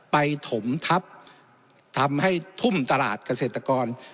ถมทับทำให้ทุ่มตลาดเกษตรกร